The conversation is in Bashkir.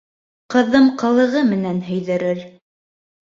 Ҡыҙым ҡылығы менән һөйҙөрөр.